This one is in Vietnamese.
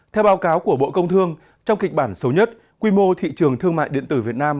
theo báo cáo của bộ công thương trong kịch bản số nhất quy mô thị trường thương mại điện tử việt nam